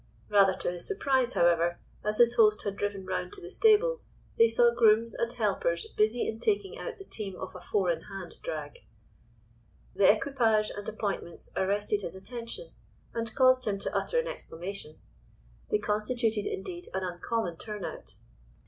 Rather to his surprise, however, as his host had driven round to the stables they saw grooms and helpers busy in taking out the team of a four in hand drag. The equipage and appointments arrested his attention, and caused him to utter an exclamation. They constituted indeed an uncommon turn out.